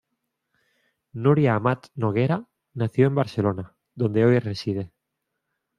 Nuria Amat Noguera nació en Barcelona, donde hoy reside.